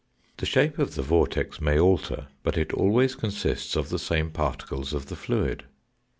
The shape of the vortex may alter, but it always con sists of the same particles of the fluid.